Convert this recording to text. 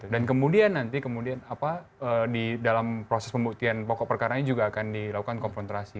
dan kemudian nanti di dalam proses pembuktian pokok perkara ini juga akan dilakukan konfrontasi